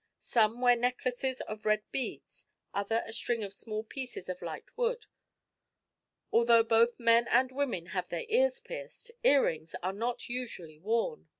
Some wear necklaces of red beads, others a string of small pieces of light wood. Although both men and women have their ears pierced, ear rings are not usually worn.